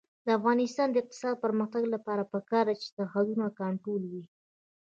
د افغانستان د اقتصادي پرمختګ لپاره پکار ده چې سرحد کنټرول وي.